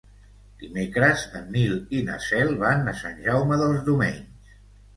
Dimecres en Nil i na Cel van a Sant Jaume dels Domenys.